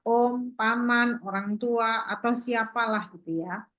om paman orang tua atau siapalah gitu ya